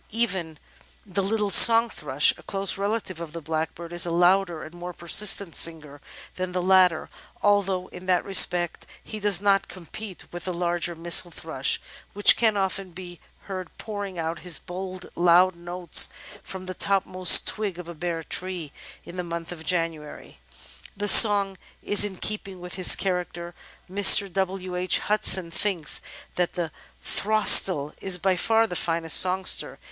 Even the little Song Thrush, a close relative of the Blackbird, is a louder and more persistent singer than the latter, although in that respect he does not compete with the larger Missel Thrush, which can often be heard pouring out his bold loud notes from the topmost twig of a bare tree in the month of January. The song is in keeping with his character. Mr. W. H. Hudson thinks that "The Throstle is by far the finest songster.